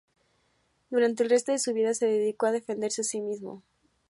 Durante el resto de su vida se dedicó a defenderse a sí mismo.